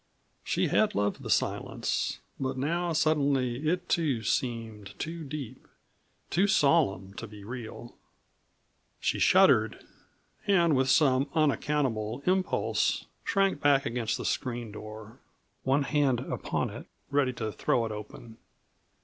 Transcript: She had loved the silence, but now suddenly it too seemed too deep, too solemn to be real. She shuddered, and with some unaccountable impulse shrank back against the screen door, one hand upon it, ready to throw it open.